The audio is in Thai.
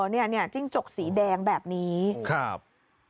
เออนี่จิ้งจกสีแดงแบบนี้ครับ